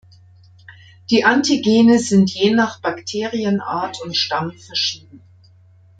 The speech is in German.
Die Antigene sind je nach Bakterienart und -stamm verschieden.